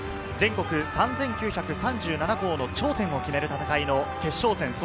全国３９３７校の頂点を決める戦いの決勝戦。